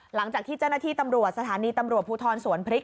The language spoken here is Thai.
หลังจากที่เจ้าหน้าที่ตำรวจสถานีตำรวจภูทรสวนพริก